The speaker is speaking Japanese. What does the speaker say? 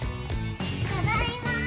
ただいまー！